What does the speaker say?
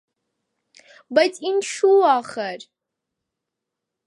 - Բայց ինչո՞ւ ախր: